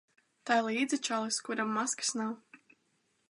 Tai līdzi čalis, kuram maskas nav.